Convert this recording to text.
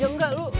ya enggak lo